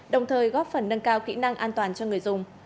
đồng thời góp phần nâng cao kỹ năng an toàn cho người dùng